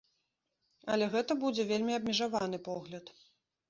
Але гэта будзе вельмі абмежаваны погляд.